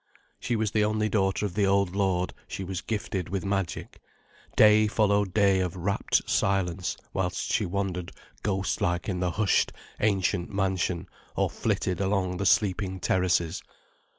She was the only daughter of the old lord, she was gifted with magic. Day followed day of rapt silence, whilst she wandered ghost like in the hushed, ancient mansion, or flitted along the sleeping terraces.